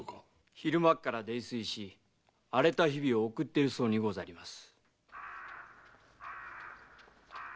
昼間っから泥酔し荒れた日々を送っているそうにございます。